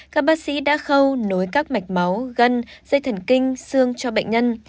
các bác sĩ đã khâu nối các mạch máu gân dây thần kinh xương cho bệnh nhân